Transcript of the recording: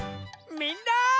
みんな。